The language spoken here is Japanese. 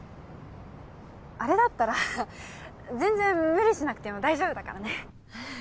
あれだったら全然無理しなくても大丈夫だからね。